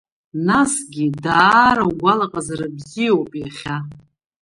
Насгьы даара угәалаҟазара бзиоуп иахьа.